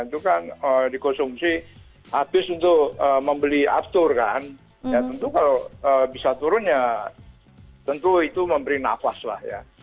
itu kan dikonsumsi habis untuk membeli aftur kan ya tentu kalau bisa turun ya tentu itu memberi nafas lah ya